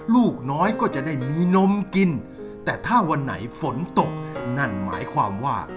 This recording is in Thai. ลูกน้อยก็จะได้มีนมกินแต่ถ้าวันไหนฝนตกนั่นหมายความว่า